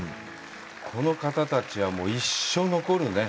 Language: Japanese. この方たちは一生残るね。